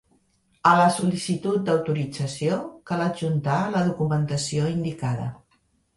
A la sol·licitud d'autorització cal adjuntar la documentació indicada.